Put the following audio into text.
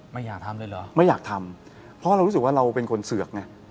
ไม่อยากทำเลยเหรอไม่อยากทำเพราะเรารู้สึกว่าเราเป็นคนเสือกไง